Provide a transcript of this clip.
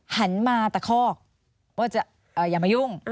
หันมาตะคอกว่าจะอย่ามายุ่ง